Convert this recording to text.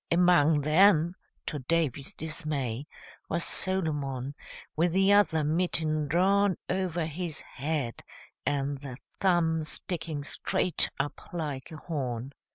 Among them, to Davy's dismay, was Solomon, with the other mitten drawn over his head and the thumb sticking straight up like a horn.